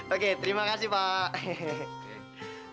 oke terima kasih pak